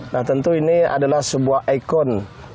nah tentu ini adalah sebuah ikon